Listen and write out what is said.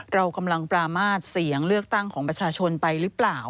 เรากำลังปรามาทเสียงเลือกตั้งของประชาชนไปหรือเปล่า